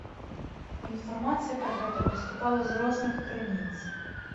Інфармацыя пра гэта паступала з розных крыніц.